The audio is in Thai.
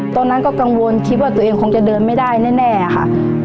ตอนนั้นก็กังวลคิดว่าตัวเองคงจะเดินไม่ได้แน่ค่ะ